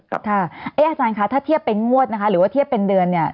เลเซอร์ถ้าเทียบเป็นงวดแล้วโดยเทียบเป็นเดือน